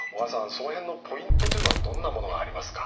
その辺のポイントというのはどんなものがありますか？